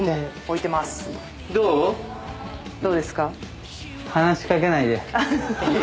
どうですか？